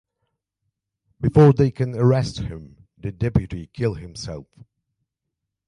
Before they can arrest him, the deputy kills himself.